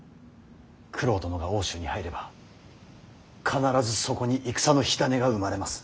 九郎殿が奥州に入れば必ずそこに戦の火種が生まれます。